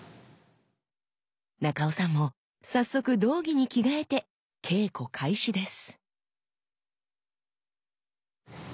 中尾さんも早速胴着に着替えて稽古開始です。